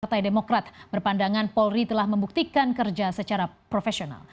partai demokrat berpandangan polri telah membuktikan kerja secara profesional